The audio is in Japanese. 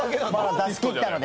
出し切ったので。